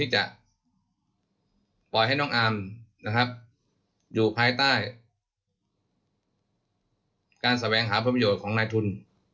จะปล่อยให้น้องอาร์มอยู่ภายใต้การแสวงหาผลประโยชน์ของนายทุน